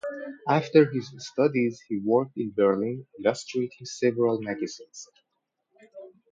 After his studies, he worked in Berlin, illustrating several magazines.